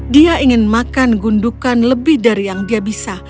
dia ingin makan gundukan lebih dari yang dia bisa